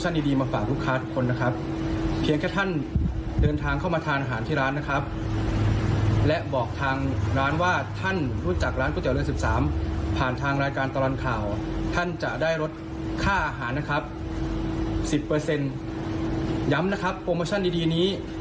ย้ำนะครับโปรโมชั่นดีนี้